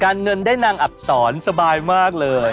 เงินได้นางอับสอนสบายมากเลย